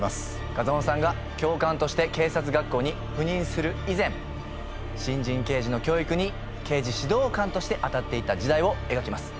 風間さんが教官として警察学校に赴任する以前新人刑事の教育に刑事指導官として当たっていた時代を描きます。